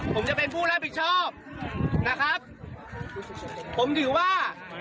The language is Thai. ผมจะเป็นผู้รับผิดชอบนะครับผมถือว่า